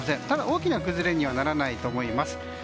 ただ、大きな崩れにはならないと思います。